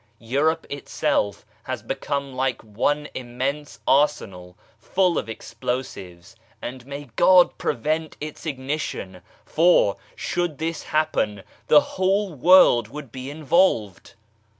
Europe itself has become like one immense arsenal, full of explosives, and may God prevent its ignition for, should this happen, the whole world would be involved.